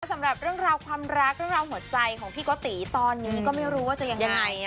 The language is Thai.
สำหรับเรื่องราวความรักเรื่องราวหัวใจของพี่โกติตอนนี้ก็ไม่รู้ว่าจะยังไง